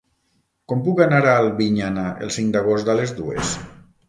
Com puc anar a Albinyana el cinc d'agost a les dues?